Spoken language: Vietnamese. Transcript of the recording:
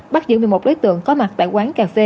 bắt giữ một mươi một đối tượng có mặt tại quán cà phê